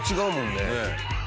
ねえ。